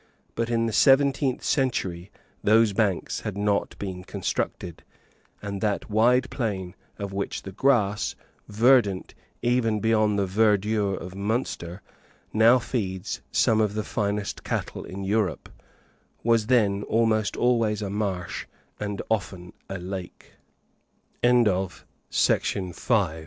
But in the seventeenth century those banks had not been constructed; and that wide plain, of which the grass, verdant even beyond the verdure of Munster, now feeds some of the finest cattle in Europe, was then almost always a marsh and often a lake, When it was known